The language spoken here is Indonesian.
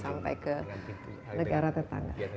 sampai ke negara tetangga